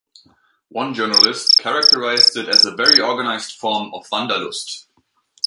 One journalist characterized it as a very organized form of wanderlust.